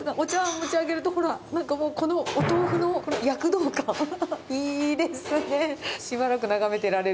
持ち上げると、ほら、なんかこのお豆腐の躍動感、いいですね。